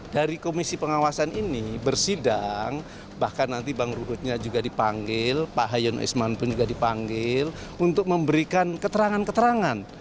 dari komisi pengawasan ini bersidang bahkan nanti bang ruhutnya juga dipanggil pak hayono isman pun juga dipanggil untuk memberikan keterangan keterangan